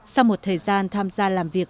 sau một thời gian tham gia làm việc